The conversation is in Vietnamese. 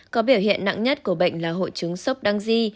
có biểu hiện nặng nhất của bệnh là hội chứng sốc đăng di